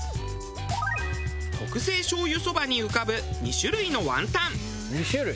特製醤油そばに浮かぶ２種類のワンタン。